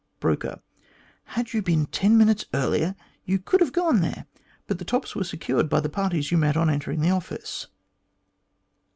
Broker: "Had you been ten minutes earlier you could have gone there, but the tops were secured by the parties you met on entering the office."